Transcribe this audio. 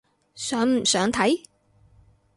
想唔想睇？